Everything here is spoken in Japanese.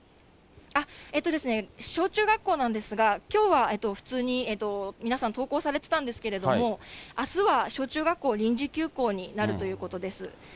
小中学校なんですが、きょうは普通に皆さん登校されてたんですけれども、あすは小中学校、臨時休校になるということです。